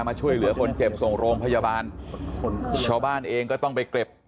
มาช่วยเหลือคนเจ็บส่งโรงพยาบาลชาวบ้านเองก็ต้องไปเก็บ